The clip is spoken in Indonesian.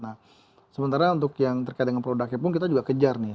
nah sementara untuk yang terkait dengan produknya pun kita juga kejar nih